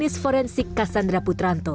klinis forensik kassandra putranto